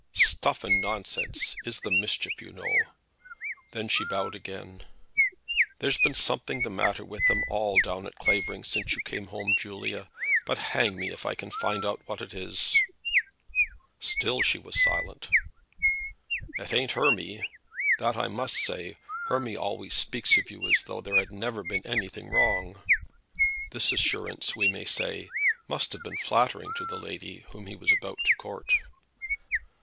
"Stuff and nonsense is the mischief, you know." Then she bowed again. "There's been something the matter with them all down at Clavering since you came home, Julia; but hang me if I can find out what it is!" Still she was silent. "It ain't Hermy; that I must say. Hermy always speaks of you as though there had never been anything wrong." This assurance, we may say, must have been flattering to the lady whom he was about to court.